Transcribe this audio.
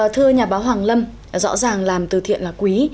thưa nhà báo hoàng lâm rõ ràng làm từ thiện là quý